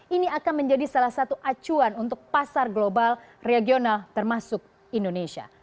ini akan menjadi salah satu acuan untuk pasar global regional termasuk indonesia